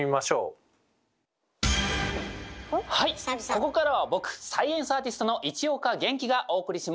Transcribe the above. ここからは僕サイエンスアーティストの市岡元気がお送りします。